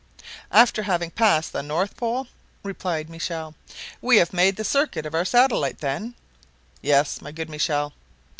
"After having passed the north pole," replied Michel. "We have made the circuit of our satellite, then?" "Yes, my good Michel."